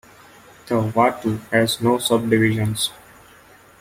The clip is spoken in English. The vatu has no subdivisions.